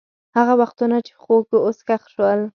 هغه وختونه چې خوږ وو، اوس ښخ شول.